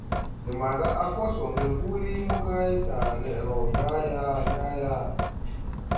De maga a kos wo ŋgel húúli mo kay, saara leʼ roo yaayaa ! Yaayaa !